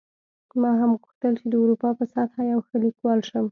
ما هم غوښتل چې د اروپا په سطحه یو ښه لیکوال شم